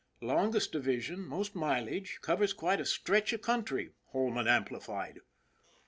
" Longest division most mileage covers quite a stretch of country," Holman amplified.